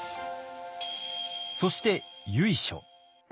そして由緒。